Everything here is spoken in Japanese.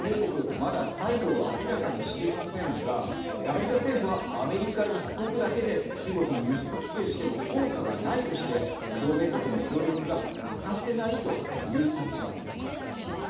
まだ態度を明らかにしていませんがアメリカ政府はアメリカ１国だけで中国に輸出規制しても効果がないとして同盟国の協力が欠かせないという立場なんです。